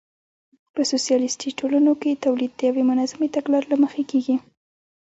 په سوسیالیستي ټولنو کې تولید د یوې منظمې تګلارې له مخې کېږي